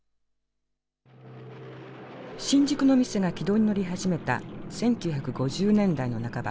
新宿の店が軌道に乗り始めた１９５０年代の半ば。